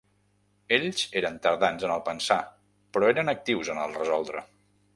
Ells eren tardans en el pensar, però eren actius en el resoldre.